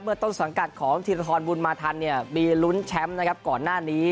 ต้นสังกัดของธีรทรบุญมาทันเนี่ยมีลุ้นแชมป์นะครับก่อนหน้านี้